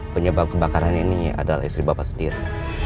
penyebab kebakaran ini adalah istri bapak sendiri